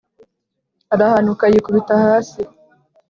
arahanuka yikubita hasi.